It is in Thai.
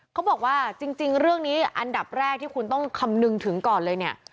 เขาบอกว่าจริงเรื่องนี้อันดับแรกที่คุณต้องคำนึงถึงก่อนเลยเนี่ย